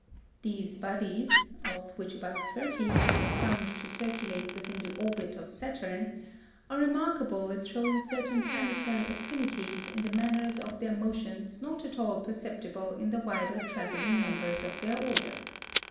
These bodies (of which about thirty have been found to circulate within the orbit of Saturn) are remarkable as showing certain planetary affinities in the manners of their motions not at all perceptible in the wider travelling members of their order.